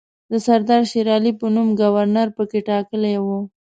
د سردار شېرعلي په نوم ګورنر پکې ټاکلی وو.